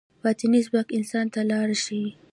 باطني ځواک انسان ته لار ښيي.